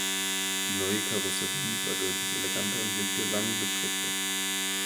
Die neue Karosserie war deutlich eleganter und wirkte langgestreckter.